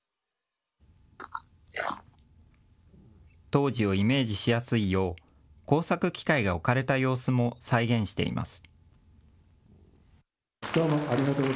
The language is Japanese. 当時をイメージしやすいよう工作機械が置かれた様子も再現しています。